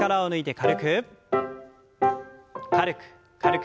軽く軽く。